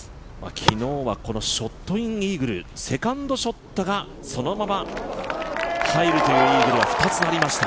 昨日はショットインイーグルセカンドショットがそのまま入るというイーグルが２つありました。